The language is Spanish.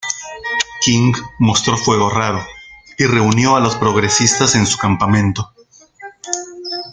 King mostró fuego raro, y reunió a los progresistas en su campamento.